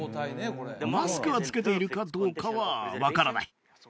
マスクはつけているかどうかは分からない